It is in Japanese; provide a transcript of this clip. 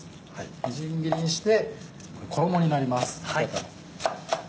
みじん切りにして衣になりますピカタの。